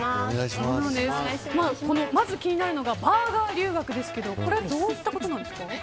まず気になるのがバーガー留学ですがこれはどういったことなんですか。